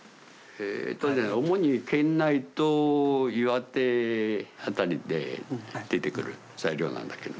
主に県内と岩手辺りで出てくる材料なんだけども。